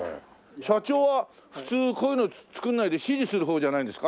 社長は普通こういうの作らないで指示する方じゃないんですか？